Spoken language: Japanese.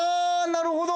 なるほど。